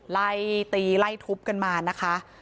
ไล่ตีไล่ทุบกันมานะคะ